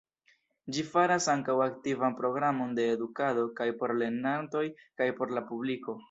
Ĝi faras ankaŭ aktivan programon de edukado kaj por lernantoj kaj por la publiko.